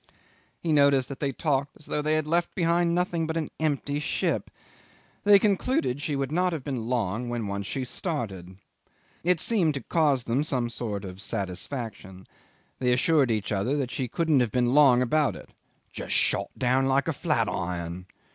... He noticed that they talked as though they had left behind them nothing but an empty ship. They concluded she would not have been long when she once started. It seemed to cause them some sort of satisfaction. They assured each other that she couldn't have been long about it "Just shot down like a flat iron."